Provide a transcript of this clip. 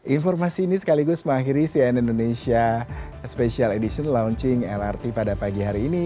informasi ini sekaligus mengakhiri cnn indonesia special edition launching lrt pada pagi hari ini